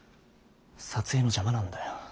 撮影の邪魔なんだよ。